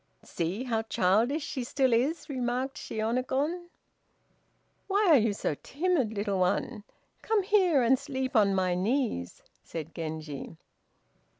"See how childish she still is," remarked Shiônagon. "Why are you so timid, little one, come here and sleep on my knees," said Genji.